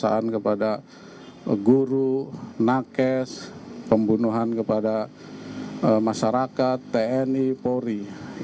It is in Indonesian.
pemeriksaan kepada guru nakes pembunuhan kepada masyarakat tni polri